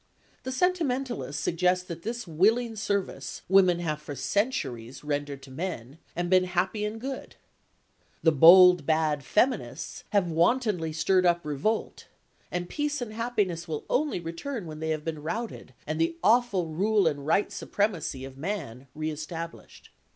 The sentimentalists suggest that this willing service women have for centuries rendered to men, and been happy and good. The bold bad feminists have wantonly stirred up revolt, and peace and happiness will only return when they have been routed and the "awful rule and right supremacy" of man re established.